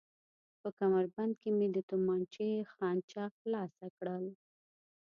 په کمربند کې مې د تومانچې خانچه خلاصه کړل.